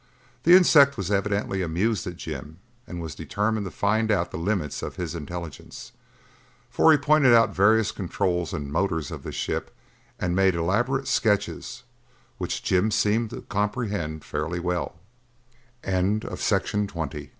The insect was evidently amused at Jim and was determined to find out the limits of his intelligence, for he pointed out various controls and motors of the ship and made elaborate sketches which Jim seemed to comp